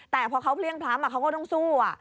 แต่พอเขาเพลี่ยงพล้ำเขาก็ต้องสู้